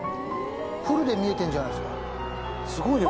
フルで見えてんじゃないですか。